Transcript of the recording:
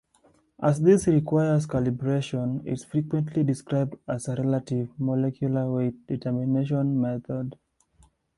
As this requires calibration, it's frequently described as a "relative" molecular weight determination method.